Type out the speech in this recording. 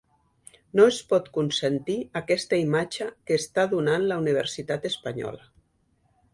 No es pot consentir aquesta imatge que està donant la universitat espanyola.